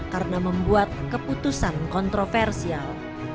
karena membuat keputusan kontroversial